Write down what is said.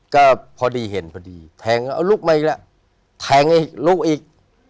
ก็พอดีเห็นพอดีแทงเอาลูกมาอีกแล้วแทงอีกลูกอีก